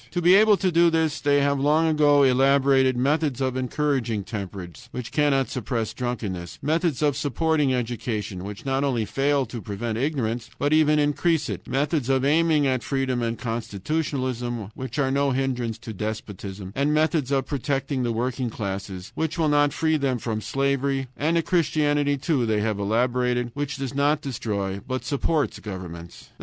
To be able to do this they have long ago elaborated methods encouraging temperance, which cannot suppress drunkenness; methods of supporting education, which not only fail to prevent ignorance, but even increase it; methods of aiming at freedom and constitutionalism, which are no hindrance to despotism; methods of protecting the working classes, which will not free them from slavery; and a Christianity, too, they have elaborated, which does not destroy, but supports governments.